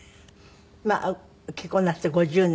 まあ結婚なすって５０年。